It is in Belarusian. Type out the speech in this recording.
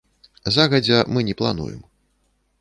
Загадзя мы не плануем.